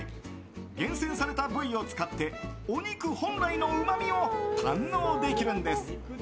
厳選された部位を使ってお肉本来のうまみを堪能できるんです。